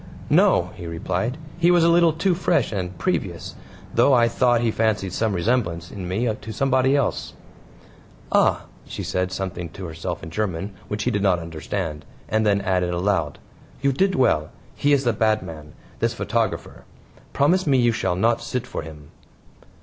"No," he replied. "He was a little too fresh and previous, though I thought he fancied some resemblance in me to somebody else." "Ah!" She said something to herself in German which he did not understand, and then added aloud: "You did well; he is a bad man, this photographer. Promise me you shall not sit for him."